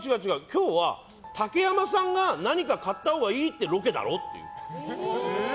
今日は竹山さんが何か買ったほうがいいってロケだろ？って言うんです。